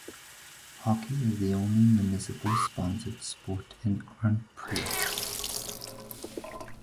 Hockey is the only municipally sponsored sport in Arnprior.